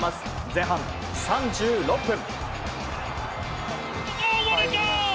前半３６分。